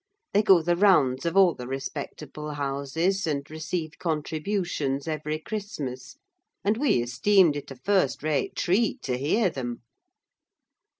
They go the rounds of all the respectable houses, and receive contributions every Christmas, and we esteemed it a first rate treat to hear them.